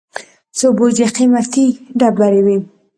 څو بوجۍ قېمتي ډبرې وې.